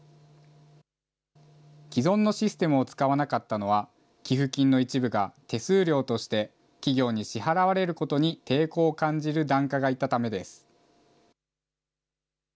既存のシステムを使わなかったのは、寄付金の一部が手数料として企業に支払われることに抵抗を感じる檀家がいたためです。